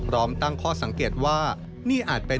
พร้อมตั้งข้อสังเกตว่านี่อาจเป็น